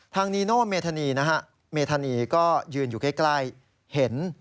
นีโน่เมธานีนะฮะเมธานีก็ยืนอยู่ใกล้เห็น